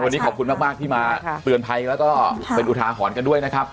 วันนี้ขอบคุณมากที่มาเตือนภัยแล้วก็เป็นอุทาหรณ์กันด้วยนะครับ